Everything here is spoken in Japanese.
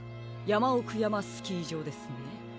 やまおくやまスキーじょうですね。